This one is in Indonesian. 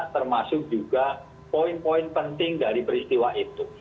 termasuk juga poin poin penting dari peristiwa itu